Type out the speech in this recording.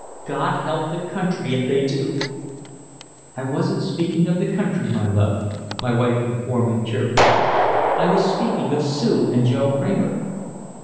God help the country if they do." "I wasn't speaking of the country, my love," my wife informed me cheerfully. "I was speaking of Sue and Joe Kramer."